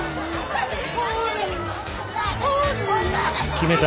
決めた。